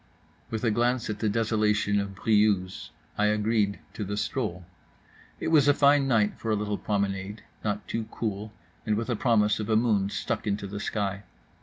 With a glance at the desolation of Briouse I agreed to the stroll. It was a fine night for a little promenade; not too cool, and with a promise of a moon stuck into the sky.